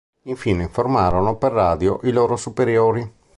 Infine informarono per radio i loro superiori.